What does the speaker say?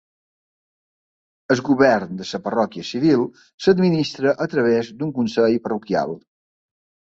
El govern de la parròquia civil s'administra a través d'un consell parroquial.